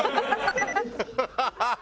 ハハハハ！